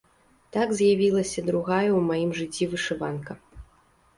Так з'явілася другая ў маім жыцці вышыванка.